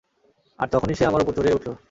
আর তখনই সে আমার উপর চড়ে উঠল।